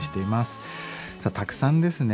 たくさんですね